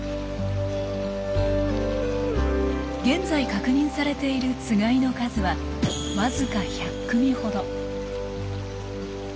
現在確認されているつがいの数はわずか１００組ほど。